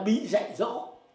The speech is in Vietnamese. bí dạy dỗ